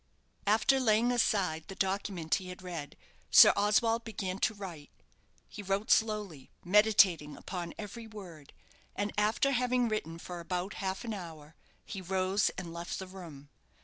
After laying aside the document he had read, Sir Oswald began to write. He wrote slowly, meditating upon every word; and after having written for about half an hour, he rose and left the room.